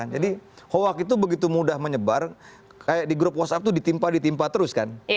jadi hoak itu begitu mudah menyebar kayak di grup whatsapp itu ditimpa ditimpa terus kan